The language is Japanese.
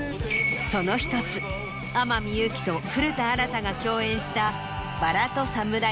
その１つ天海祐希と古田新太が共演した。